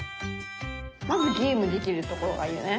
まずゲームできるところがいいよね。